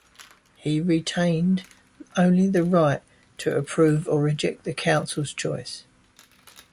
He retained only the right to approve or reject the council's choice.